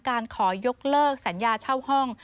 ขอยกเลิกสัญญาเช่าห้อง